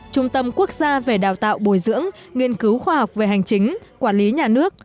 trung tâm quốc gia về đào tạo bồi dưỡng nghiên cứu khoa học về hành chính quản lý nhà nước